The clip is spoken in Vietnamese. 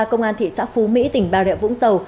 công an thị xã phú mỹ tỉnh bà rịa vũng tàu